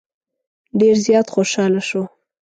ډېر زیات خوشاله شو.